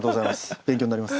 勉強になります。